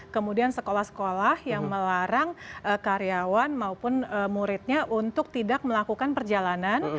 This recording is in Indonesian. kemudian sekolah sekolah yang melarang karyawan maupun muridnya untuk tidak melakukan perjalanan